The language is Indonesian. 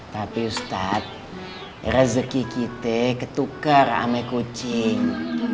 tapi ustadz rezeki kita ketukar rame kucing